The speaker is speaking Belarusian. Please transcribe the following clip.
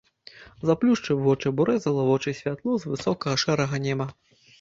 Заплюшчыў вочы, бо рэзала вочы святло з высокага шэрага неба.